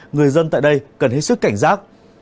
người dân tại đây cần hết sức cảnh rác